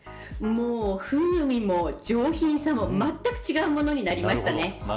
風味も上品さもまったく違うものになりましたね。